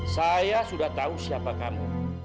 saya sudah tahu siapa kamu